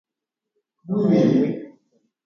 Ha mba'égui anichéne.